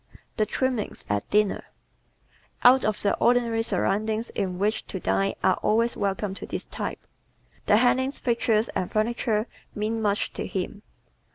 "The Trimmings" at Dinner ¶ Out of the ordinary surroundings in which to dine are always welcome to this type. The hangings, pictures, and furniture mean much to him.